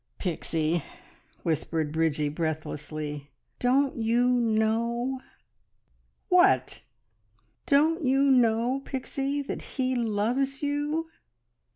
"Pixie," whispered Bridgie breathlessly, "don't you know?" "What?" "Don't you know, Pixie, that he loves you?"